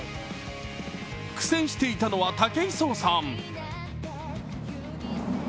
苦戦していたのは武井壮さん。